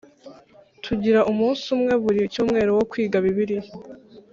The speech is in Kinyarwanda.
Tugira umunsi umwe buri cyumweru wo kwiga Bibiliya